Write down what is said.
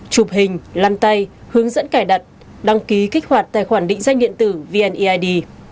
chụp hình lăn tay hướng dẫn cài đặt đăng ký kích hoạt tài khoản định danh điện tử vneid